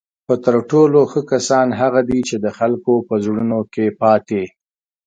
خو تر ټولو ښه کسان هغه دي چی د خلکو په زړونو کې پاتې